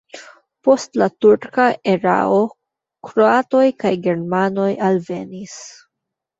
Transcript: Post la turka erao kroatoj kaj germanoj alvenis.